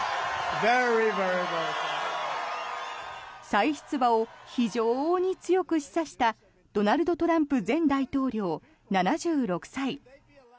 再出馬を非常に強く示唆したドナルド・トランプ前大統領７６歳。